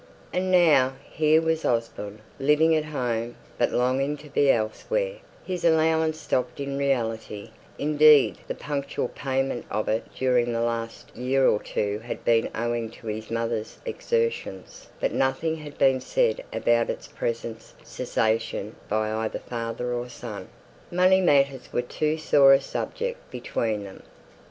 And now here was Osborne, living at home, but longing to be elsewhere; his allowance stopped in reality; indeed, the punctual payment of it during the last year or two had been owing to his mother's exertions; but nothing had been said about its present cessation by either father or son; money matters were too sore a subject between them.